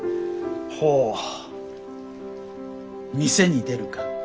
ほう店に出るか。